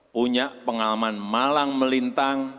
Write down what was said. punya pengalaman malang melintang